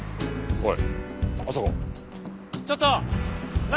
おい！